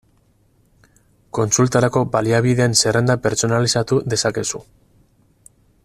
Kontsultarako baliabideen zerrenda pertsonalizatu dezakezu.